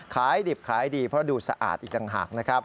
ขายดิบขายดีเพราะดูสะอาดอีกต่างหากนะครับ